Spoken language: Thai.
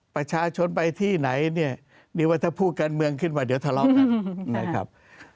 ประชาชนไปที่ไหนเนี่ยนี่ว่าถ้าพูดการเมืองขึ้นมาเดี๋ยวทะเลาะกันนะครับ